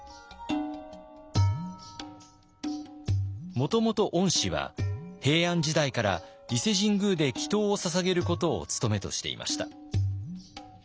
もともと御師は平安時代から伊勢神宮で祈とうをささげることを務めとしていました。